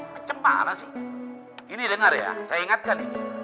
macam mana sih ini dengar ya saya ingatkan ini